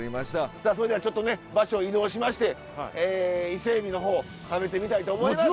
さあそれではちょっとね場所移動しまして伊勢エビのほう食べてみたいと思います。